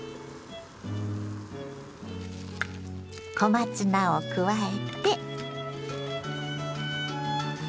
小松菜を加えて。